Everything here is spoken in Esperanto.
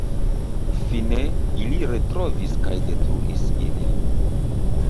Fine, ili retrovis kaj detruis ilin.